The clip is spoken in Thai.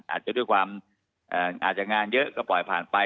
อาจจะด้วยความอาจจะงานเยอะก็ปล่อยผ่านไป